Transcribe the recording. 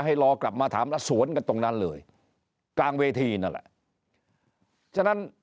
รอกลับมาถามแล้วสวนกันตรงนั้นเลยกลางเวทีนั่นแหละฉะนั้น